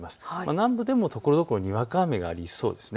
南部でもところどころにわか雨がありそうです。